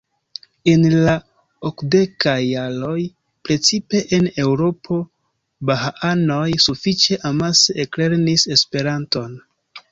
En la okdekaj jaroj precipe en Eŭropo bahaanoj sufiĉe amase eklernis Esperanton.